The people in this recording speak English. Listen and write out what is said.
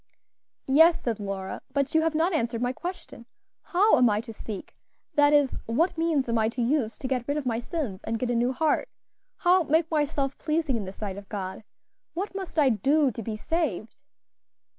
"Yes," said Lora, "but you have not answered my question; how am I to seek? that is, what means am I to use to get rid of my sins, and get a new heart? how make myself pleasing in the sight of God? what must I do to be saved?"